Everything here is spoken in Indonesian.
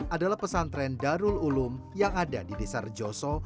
adalah pesantren darul ulum yang ada di desa rejoso